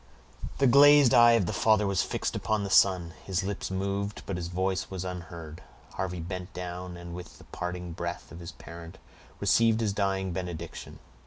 The glazed eye of the father was fixed upon the son; his lips moved, but his voice was unheard. Harvey bent down, and, with the parting breath of his parent, received his dying benediction.